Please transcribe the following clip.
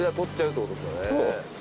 そう。